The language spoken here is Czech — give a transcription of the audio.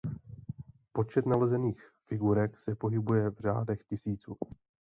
Počet nalezených figurek se pohybuje v řádech tisíců.